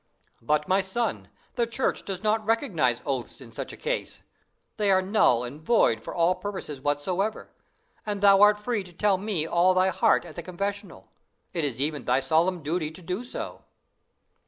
"But, my son, the Church does not recognize oaths in such a case. They are null and void for all purposes whatsoever, and thou art free to tell me all thy heart at the confessional: it is even thy solemn duty to do so."